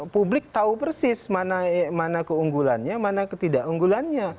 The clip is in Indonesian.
publik tahu persis mana keunggulannya mana ketidakunggulannya